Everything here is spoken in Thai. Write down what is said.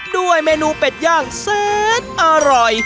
ด้วยเมนูเป็ดย่างแสนอร่อย